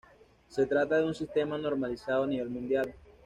Se trata de un sistema normalizado a nivel mundial.